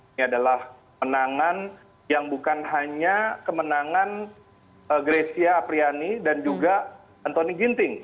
ini adalah menangan yang bukan hanya kemenangan grecia apriani dan juga antoni ginting